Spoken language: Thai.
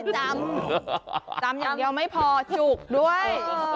จำจำอย่างเดียวไม่พอจุกด้วย